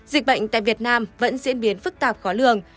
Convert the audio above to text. dịch bệnh tại việt nam vẫn diễn biến phức tạp khó lường